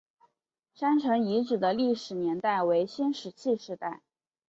山城遗址的历史年代为新石器时代。